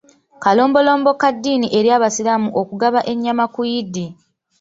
Kalombolombo ka ddiini eri abasiraamu okugabana ennyama ku Eid.